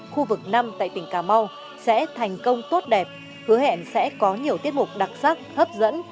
khu vực năm tại tỉnh cà mau sẽ thành công tốt đẹp hứa hẹn sẽ có nhiều tiết mục đặc sắc hấp dẫn